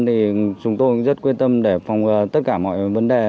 thì chúng tôi cũng rất quyết tâm để phòng ngừa tất cả mọi vấn đề